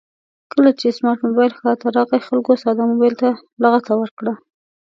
کله چې سمارټ مبایل ښار ته راغی خلکو ساده مبایل ته لغته ورکړه